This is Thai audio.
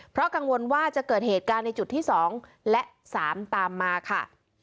เพราะกังวลว่าจะเกิดเหตุการณ์ในจุดที่๒และ๓ตามมาค่ะ